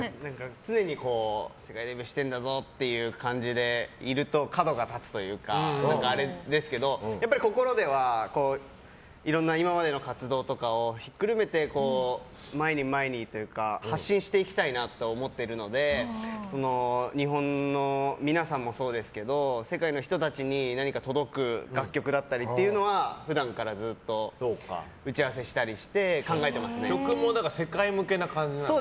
常に世界デビューしてるんだぞみたいな感じでいると角が立つというかあれですけどやっぱり心ではいろんな今までの活動とかをひっくるめて、前に前にというか発信していきたいなと思っているので日本の皆さんもそうですけど世界の人たちに何か届く楽曲だったりというのは普段からずっと打ち合わせしたりとかして曲も世界向けな感じなんだ。